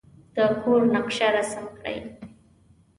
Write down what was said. د کور نقشه رسم کړئ.